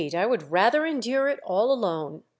I would rather endure it all alone.